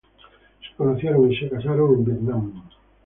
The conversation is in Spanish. Se conocieron y se casaron en Vietnam.